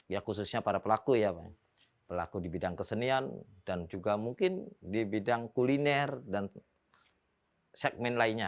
ya khususnya para pelaku ya pak pelaku di bidang kesenian dan juga mungkin di bidang kuliner dan segmen lainnya